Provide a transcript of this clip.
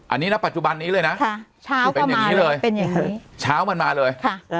อันนี้นะปัจจุบันนี้เลยน่ะค่ะเช้าก็มาแล้วเป็นอย่างงี้เลย